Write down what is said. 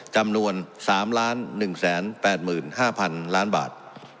จำนวน๓๑๘๕๐๐๐ล้านบาท